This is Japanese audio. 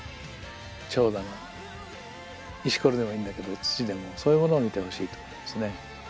チョウだの石ころでもいいんだけど土でもそういうものを見てほしいと思いますね。